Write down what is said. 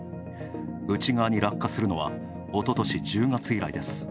内側に落下するのは、おととし１０月以来です。